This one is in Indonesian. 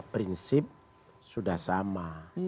prinsip sudah sama